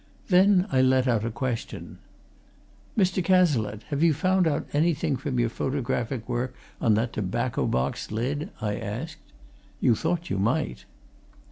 Then I let out a question. "Mr. Cazalette, have you found out anything from your photographic work on that tobacco box lid?" I asked. "You thought you might."